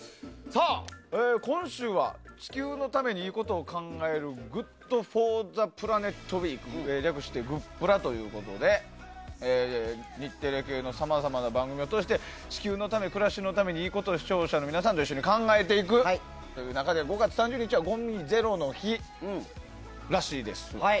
今週は地球のためにいいことを考えるＧｏｏｄＦｏｒｔｈｅＰｌａｎｅｔ略してグップラということで日テレ系のさまざまな番組を通して地球のため暮らしのためにいいことを視聴者の皆さんと一緒に考えていくという中で５月３０日はごみゼロの日らしいです。